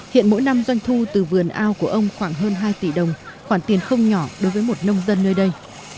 hiện mỗi năm doanh thu từ vườn ao của ông khoảng hơn hai tỷ đồng khoản tiền không nhỏ đối với một nông dân nơi đây